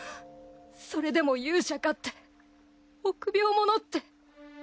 それでも勇者かって臆病者って。